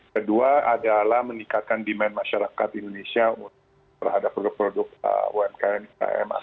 kedua adalah meningkatkan demand masyarakat indonesia terhadap produk produk umkm